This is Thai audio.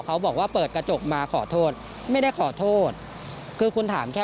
เขาบอกว่าเปิดกระจกมาขอโทษไม่ได้ขอโทษคือคุณถามแค่